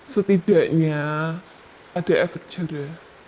setidaknya ada efek jera